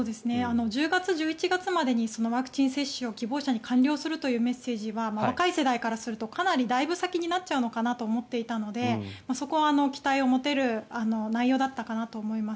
１０月、１１月までにワクチン接種を希望者に完了するというメッセージは若い世代からするとかなりだいぶ先になっちゃうのかなと思っていたのでそこは期待を持てる内容だったかなと思います。